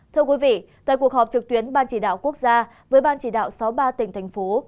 thưa quý vị tại cuộc họp trực tuyến ban chỉ đạo quốc gia với ban chỉ đạo sáu mươi ba tỉnh thành phố